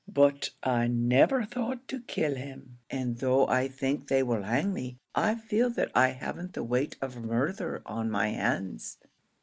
But I never thought to kill him, and though I think they will hang me, I feel that I haven't the weight of murdher on my hands."